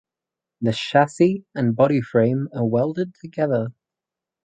The chassis and body frame are welded together.